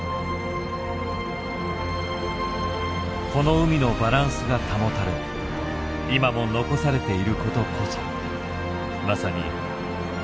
この海のバランスが保たれ今も残されていることこそまさに地球の奇跡なのだ。